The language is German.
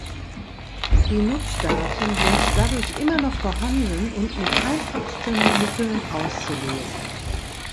Die Nutzdaten sind dadurch immer noch vorhanden und mit einfachsten Mitteln auszulesen.